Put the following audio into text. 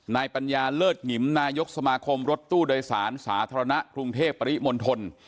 ปัญญาเลิศหงิมนายกสมาคมรถตู้โดยสารสาธารณะกรุงเทพปริมณฑล